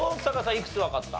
いくつわかった？